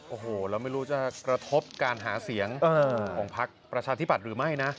โอ้โหแล้วไม่รู้จะกระทบการหาเสียงของพักประชาธิบัตย์หรือไม่นะ